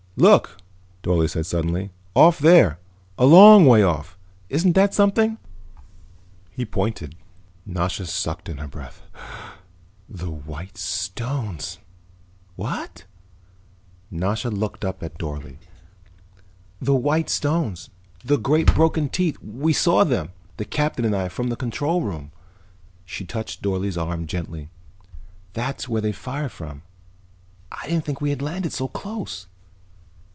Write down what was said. "Look," Dorle said suddenly. "Off there, a long way off. Isn't that something?" He pointed. Nasha sucked in her breath. "The white stones." "What?" Nasha looked up at Dorle. "The white stones, the great broken teeth. We saw them, the Captain and I, from the control room." She touched Dorle's arm gently. "That's where they fired from. I didn't think we had landed so close."